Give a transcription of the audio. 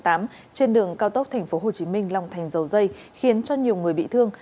trên đường cao tốc tp hcm long thành dầu dây khiến cho nhiều người bị thương